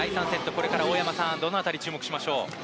これから大山さんどの辺りに注目しましょう。